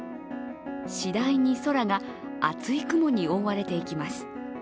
次第に空が厚い雲に覆われていきます。